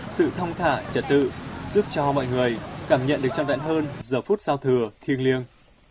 sự thông thả trật tự giúp cho mọi người cảm nhận được trăm vẹn hơn giờ phút giao thừa thiêng liêng